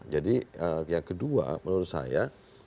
jadi yang kedua menurut saya